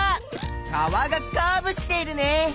川がカーブしているね！